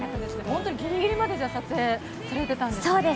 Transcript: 本当にぎりぎりまで撮影されてたんですね。